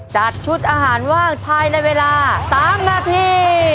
จัดชุดอาหารว่างภายในเวลา๓นาที